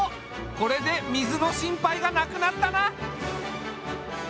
これで水の心配がなくなったな！